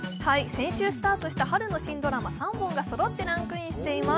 先週スタートした春の新ドラマ３本がそろってランクインしています。